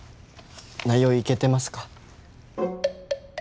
内容いけてますか？